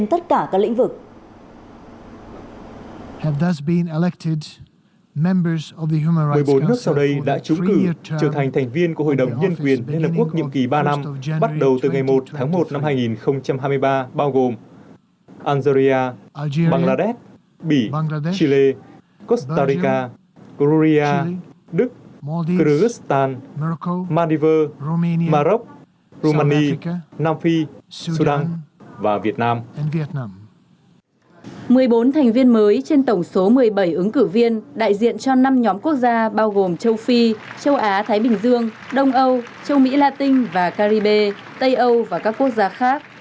một mươi bốn thành viên mới trên tổng số một mươi bảy ứng cử viên đại diện cho năm nhóm quốc gia bao gồm châu phi châu á thái bình dương đông âu châu mỹ la tinh và caribe tây âu và các quốc gia khác